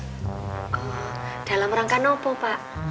oh dalam rangka novo pak